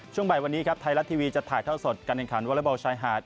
ช่วงบ่ายวันนี้ครับไทยรัฐทีวีจะถ่ายเท่าสดการแข่งขันวอเล็กบอลชายหาด